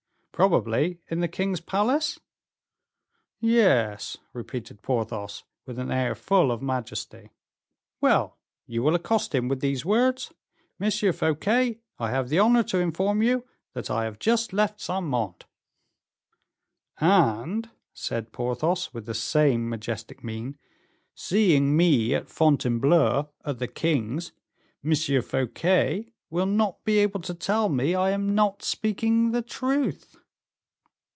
"Probably in the king's palace?" "Yes," repeated Porthos, with an air full of majesty. "Well, you will accost him with these words: 'M. Fouquet, I have the honor to inform you that I have just left Saint Mande.'" "And," said Porthos, with the same majestic mien, "seeing me at Fontainebleau at the king's, M. Fouquet will not be able to tell me I am not speaking the truth."